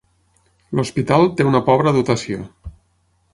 L'hospital té una pobra dotació.